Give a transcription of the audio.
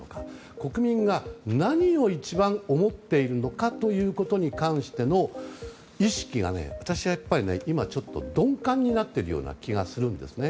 国民が何を一番思っているのかということに関しての意識がね、今、ちょっと鈍感になっている気がするんですね。